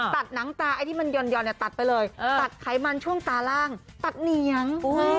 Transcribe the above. ตัดหนังตาไอ้ที่มันหย่อนตัดไปเลยตัดไขมันช่วงตาล่างตัดเหนียง